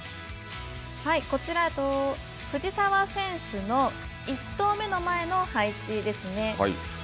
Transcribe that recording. こちら藤澤選手の１投目の前の配置ですね。